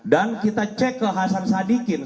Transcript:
dan kita cek ke hasan sadikin